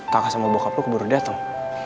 kakak sama bokap lo keburu dateng